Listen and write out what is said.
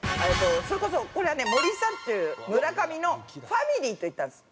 それこそこれはね森三中村上のファミリーと行ったんです。